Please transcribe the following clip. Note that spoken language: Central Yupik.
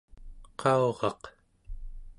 qauraq